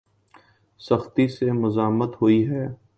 سختی سے مذمت ہوئی ہے